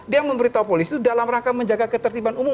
dia memberitahu polisi dalam rangka menjaga ketertiban umum